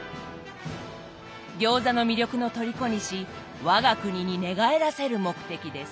餃子の魅力の虜にし我が国に寝返らせる目的です。